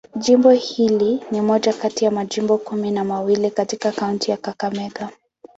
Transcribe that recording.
Jimbo hili ni moja kati ya majimbo kumi na mawili katika kaunti ya Kakamega.